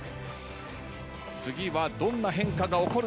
次はどんな変化が起こるのか？